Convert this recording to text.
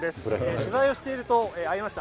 取材をしていると会いました。